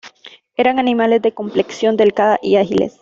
Eran animales de complexión delgada y ágiles.